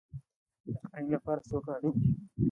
د کرنې لپاره څوک اړین دی؟